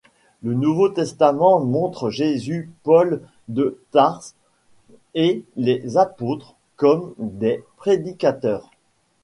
Le Nouveau Testament montre Jésus, Paul de Tarse et les apôtres comme des prédicateurs.